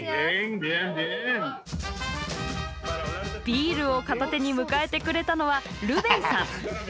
ビールを片手に迎えてくれたのはルベンさん。